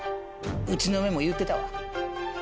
うちの嫁も言うてたわ。